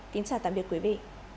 kính chào tạm biệt quý vị